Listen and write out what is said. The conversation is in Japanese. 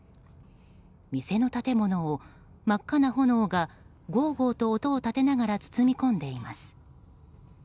店の建物を真っ赤な炎がごうごうと音を立てながら包み込んでいます。